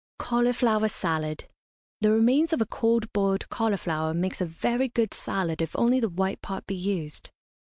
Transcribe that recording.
CAULIFLOWER SALAD. The remains of a cold boiled cauliflower makes a very good salad if only the white part be used.